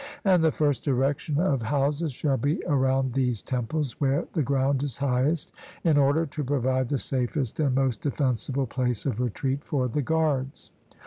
And the first erection of houses shall be around these temples, where the ground is highest, in order to provide the safest and most defensible place of retreat for the guards.